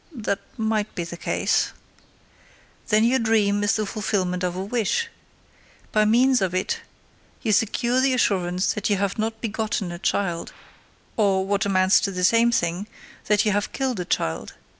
"That might be the case." "Then your dream is the fulfillment of a wish. By means of it you secure the assurance that you have not begotten a child, or, what amounts to the same thing, that you have killed a child.